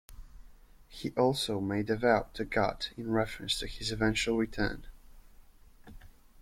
He also made a vow to God in reference to his eventual return.